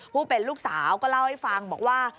ผู้เป็นลูกสาวก็เล่าให้ฟังบอกว่า